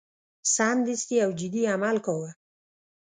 سمدستي او جدي عمل کاوه.